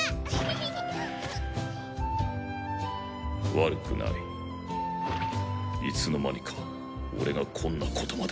悪くないいつの間にか俺がこんなことまで